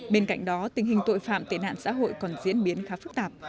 bên cạnh đó tình hình tội phạm tệ nạn xã hội còn diễn biến khá phức tạp